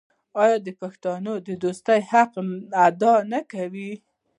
آیا پښتون د دوستۍ حق ادا نه کوي؟